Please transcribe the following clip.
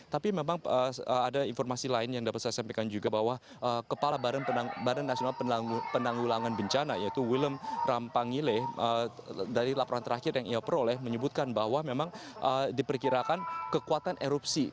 tapi memang ada informasi lain yang dapat saya sampaikan juga bahwa kepala badan nasional penanggulangan bencana yaitu willem rampangile dari laporan terakhir yang ia peroleh menyebutkan bahwa memang diperkirakan kekuatan erupsi